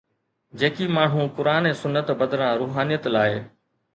جيڪي ماڻهو قرآن ۽ سنت بدران روحانيت لاءِ